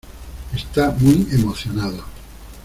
Está muy emocionado.